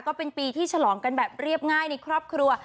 ก็เป็นปีที่ฉลองกันแบบเรียบง่ายในครอบครัว